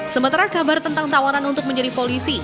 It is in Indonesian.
sementara kabar tentang tawaran untuk menjadi polisi